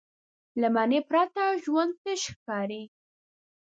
له معنی پرته ژوند تش ښکاري.